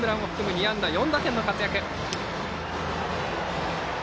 ２安打４打点の活躍。